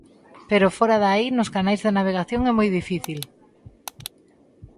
Pero fóra de aí nos canais de navegación é moi difícil.